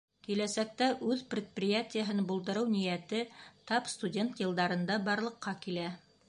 Киләсәктә үҙ предприятиеһын булдырыу ниәте тап студент йылдарында барлыҡҡа килә.